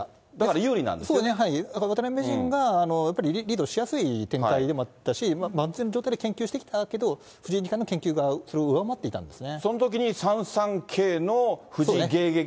そうですね、渡辺名人がやっぱりリードしやすい展開でもあったし、万全の状態で研究してきたんだけど、藤井二冠の研究がそれを上回っていたんですね。